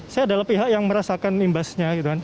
saya adalah pihak yang merasakan imbasnya gitu kan